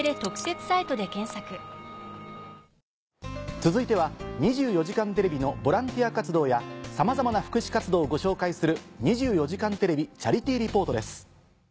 続いては『２４時間テレビ』のボランティア活動やさまざまな福祉活動をご紹介する。